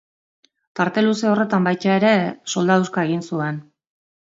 Tarte luze horretan baita ere soldaduska egin zuen.